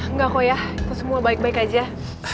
enggak kok ya itu semua baik baik aja